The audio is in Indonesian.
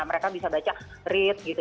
mereka bisa baca rit gitu